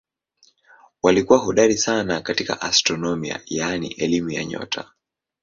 Walikuwa hodari sana katika astronomia yaani elimu ya nyota.